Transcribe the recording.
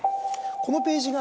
このページが。